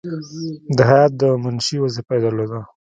د هیات د منشي وظیفه یې درلوده.